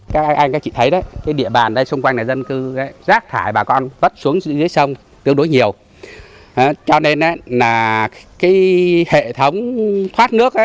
cho nên là cái hệ thống thoát nước